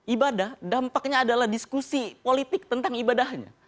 ibadah dampaknya adalah diskusi politik tentang ibadahnya